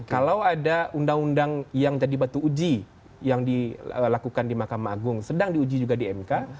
kalau ada undang undang yang jadi batu uji yang dilakukan di mahkamah agung sedang diuji juga di mk